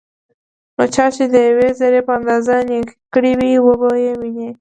نو چا چې دیوې ذرې په اندازه نيکي کړي وي، وبه يې ويني